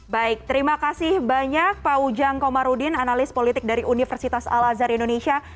baik terima kasih banyak pak ujang komarudin analis politik dari universitas al azhar indonesia